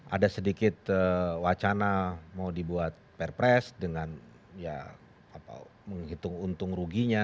ada sedikit wacana mau dibuat perpres dengan ya apa menghitung untung ruginya